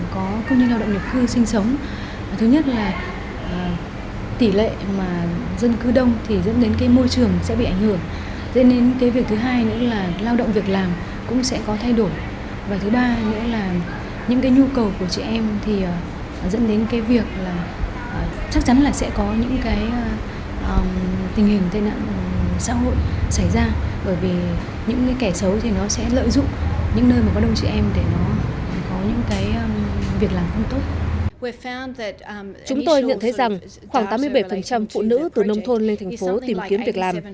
chúng tôi nhận thấy rằng khoảng tám mươi bảy phụ nữ từ nông thôn lên thành phố tìm kiếm việc làm